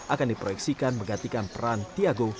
akan diproyeksikan menggantikan peran tiago